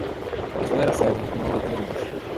A questão era séria e não aguentamos mais.